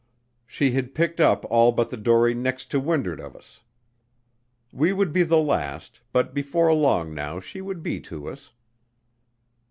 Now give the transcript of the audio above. She had picked up all but the dory next to wind'ard of us. We would be the last, but before long now she would be to us.